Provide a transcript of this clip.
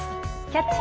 「キャッチ！